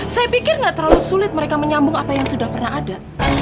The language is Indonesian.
saya pikir nggak terlalu sulit mereka menyambung apa yang sudah pernah ada